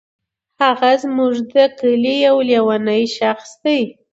هغه زمونږ دي کلې یو لیونی شخص دی.